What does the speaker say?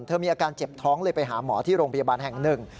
มีอาการเจ็บท้องเลยไปหาหมอที่โรงพยาบาลแห่งหนึ่ง